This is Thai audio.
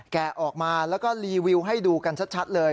แกะออกมาแล้วก็รีวิวให้ดูกันชัดเลย